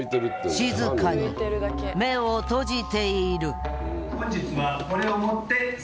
静かに目を閉じている。